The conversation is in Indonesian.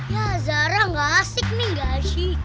ya zara gak asik nih gak asik